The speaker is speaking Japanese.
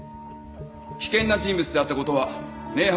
危険な人物であった事は明白です。